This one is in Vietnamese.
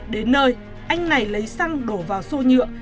đến nơi anh này lấy xăng đổ vào xô nhựa